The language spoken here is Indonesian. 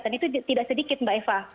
dan itu tidak sedikit mbak eva